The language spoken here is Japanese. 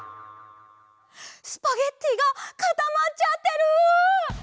スパゲッティがかたまっちゃってる！